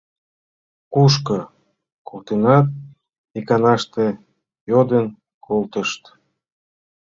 — Кушко? — коктынат иканаште йодын колтышт.